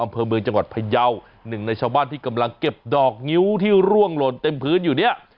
อำเภอเมืองจังหวัดพยาวหนึ่งในชาวบ้านที่กำลังเก็บดอกงิ้วที่ร่วงหล่นเต็มพื้นอยู่เนี่ย